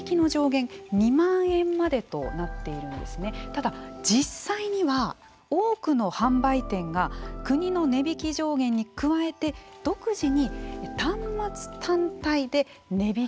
ただ実際には多くの販売店が国の値引き上限に加えて独自に端末単体で値引きを実施しているんです。